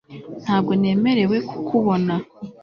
ntabwo nemerewe kukubona